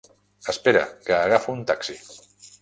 Espera, que agafo un taxi.